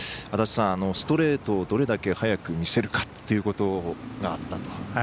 足達さん、ストレートをどれだけ速く見せるかということがあったと。